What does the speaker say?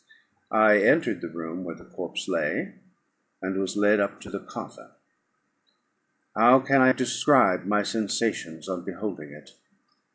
I entered the room where the corpse lay, and was led up to the coffin. How can I describe my sensations on beholding it?